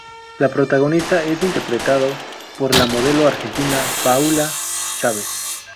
La protagonista es interpretado por la modelo argentina Paula Chaves.